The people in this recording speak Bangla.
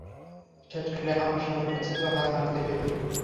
শেষকালে আমার স্বামীর কাছে তো হার মানিতে হইল।